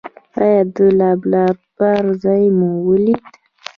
ایا د لابراتوار ځای مو ولید؟